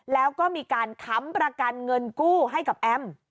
แล้วก็มีการค้ำประกันเงินกู้ให้กับแอม